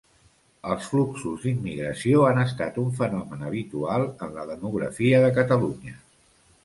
Els fluxos d'immigració han estat un fenomen habitual en la demografia de Catalunya.